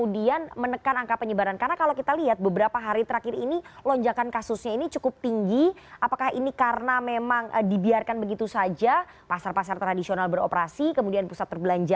di crane adalah